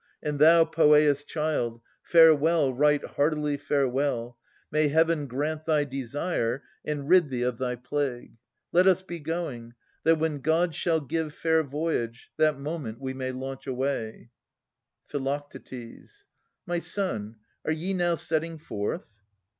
And thou, Poeas' child, Farewell, right heartily farewell ! May Heaven Grant thy desire, and rid thee of thy plague ! Let us be going, that when God shall give Fair voyage, that moment we may launch away Phi. My son, are ye now setting forth